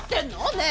ねえ！